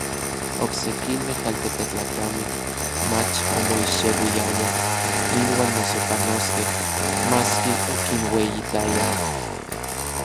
Oksekimej altepetlakamej mach omoixeuiayaj inuan mosepanoskej, maski okinueyitayaj.